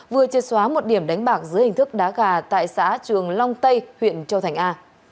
vừa triệt xóa một điểm đánh bạc dưới hình thức đá gà tại xã trường long tây huyện châu thành a